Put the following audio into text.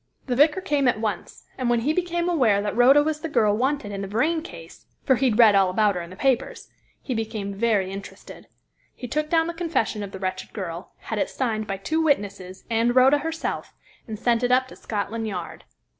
The vicar came at once, and when he became aware that Rhoda was the girl wanted in the Vrain case for he had read all about her in the papers he became very interested. He took down the confession of the wretched girl, had it signed by two witnesses and Rhoda herself, and sent it up to Scotland Yard."